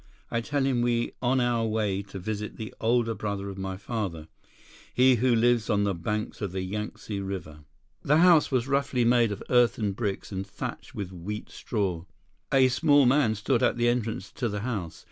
I tell him we on our way to visit the older brother of my father, he who lives on the banks of the Yangtze River." 95 The house was roughly made of earthen bricks and thatched with wheat straw. A small man stood at the entrance to the house.